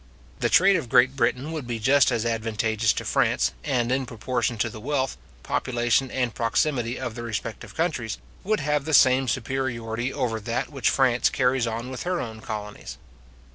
The trade of Great Britain would be just as advantageous to France, and, in proportion to the wealth, population, and proximity of the respective countries, would have the same superiority over that which France carries on with her own colonies.